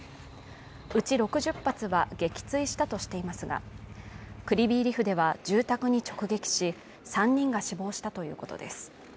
うち６０発は撃墜したとしていますがクリヴィー・リフでは住宅に直撃し３人が死亡したということです。